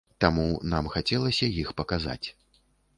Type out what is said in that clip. Таму, нам хацелася іх паказаць.